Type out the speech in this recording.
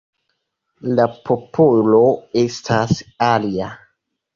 La popolo estas alia.